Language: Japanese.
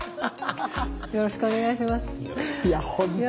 よろしくお願いします。